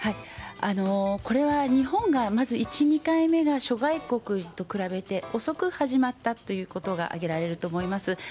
日本がまず１、２回目が諸外国と比べて遅く始まったということが挙げられると思います。